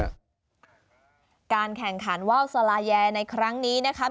การแข่งขันว่าวสลาแยในครั้งนี้นะครับ